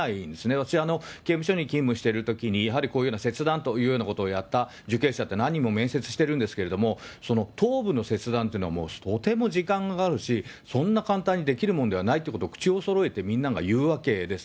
私、刑務所に勤務してるときに、やはりこういうような切断というようなことをやった受刑者って、何人も面接してるんですけれども、頭部の切断っていうのはもう、とても時間がかかるし、そんな簡単にできるもんではないということを、口をそろえてみんなが言うわけです。